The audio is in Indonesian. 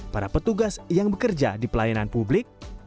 para petugas yang bekerja di pelayanan publik